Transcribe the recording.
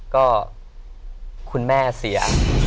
ก็คุณแม่เสีย